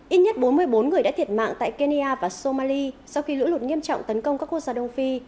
ít nhất bốn mươi bốn người đã thiệt mạng tại kenya và somali sau khi lũ lụt nghiêm trọng tấn công các quốc gia đông phi